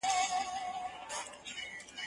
زه پرون سیر وکړ!.